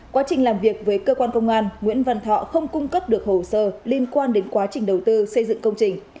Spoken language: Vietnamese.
quá trình làm việc với cơ quan công an nguyễn văn thọ không cung cấp được hồ sơ liên quan đến quá trình đầu tư xây dựng công trình